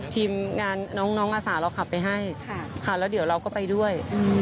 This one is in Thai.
ทีมงานน้องป้าขับไปให้เราจะไปด้วย